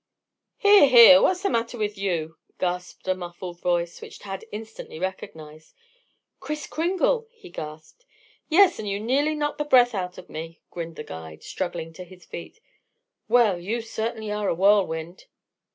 "Here, here! What's the matter with you?" gasped a muffled voice, which Tad instantly recognized. "Kris Kringle!" he gasped. "Yes; and you nearly knocked the breath out of me," grinned the guide, struggling to his feet. "Well, you certainly are a whirlwind."